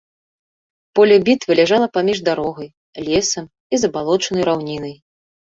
Поле бітвы ляжала паміж дарогай, лесам і забалочанай раўнінай.